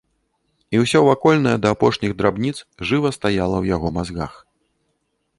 І ўсё вакольнае да апошніх драбніц жыва стаяла ў яго мазгах.